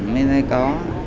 mới thấy có